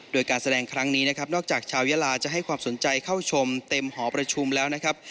โดยการแสดงครั้งนี้นะครับนอกจากชาวยาลาจะให้ความสนใจเข้าชมเต็มหอประชุมแล้วนะครับ